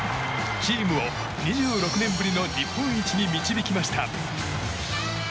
チームを２６年ぶりの日本一に導きました。